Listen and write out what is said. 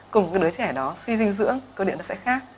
cùng một đứa trẻ đó suy dinh dưỡng cơ địa sẽ khác